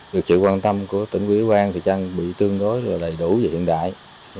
được sự quan tâm của tỉnh quỹ quang bị tương đối là đầy đủ và hiện đại